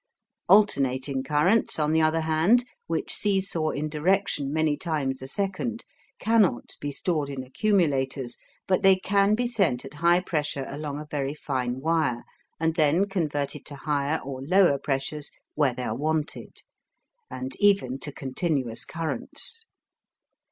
Alternating currents, on the other hand, which see saw in direction many times a second, cannot be stored in accumulators, but they can be sent at high pressure along a very fine wire, and then converted to higher or lower pressures where they are wanted, and even to continuous currents.